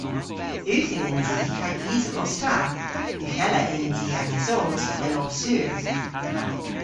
Ughel yns i hag isel os ta. Ughella yns i agesos, dell ov sur.